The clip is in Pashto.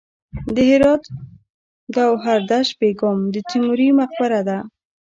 د هرات ګوهردش بیګم د تیموري مقبره ده